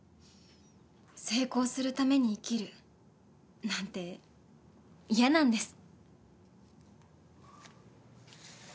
成功するために生きるなんて嫌なんです。